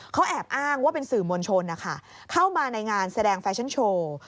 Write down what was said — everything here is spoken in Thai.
เขาแอบอ้างว่าเป็นสื่อมวลชนนะคะเข้ามาในงานแสดงแฟชั่นโชว์